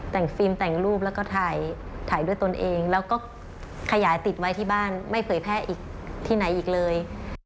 แต่งฟิล์มแต่งรูปแล้วก็ถ่ายด้วยตนเองแล้วก็ขยายติดไว้ที่บ้านไม่เผยแพร่อีกที่ไหนอีกเลย